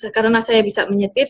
karena saya bisa menyetir